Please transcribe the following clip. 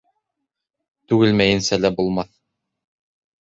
Түгелмәйенсә лә булмаҫ.